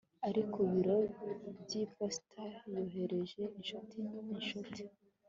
ari ku biro by'iposita yohereza inshuti inshuti